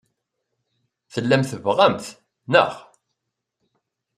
Tellam tebɣam-t, naɣ?